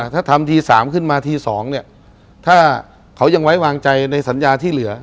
ถ้าทำที๓ขึ้นมาที๒เนี่ยถ้าเขายังไว้วางใจในสัญญาที่เหลือ